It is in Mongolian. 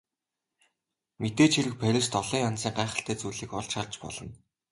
Мэдээж хэрэг Парист олон янзын гайхалтай зүйлийг олж харж болно.